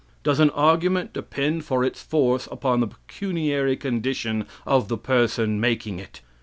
Does an argument depend for its force upon the pecuniary condition of the person making it?